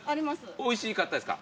おいしかったですか？